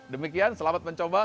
demikian selamat mencoba